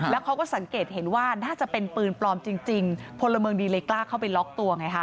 แล้วเขาก็สังเกตเห็นว่าน่าจะเป็นปืนปลอมจริงจริงพลเมืองดีเลยกล้าเข้าไปล็อกตัวไงฮะ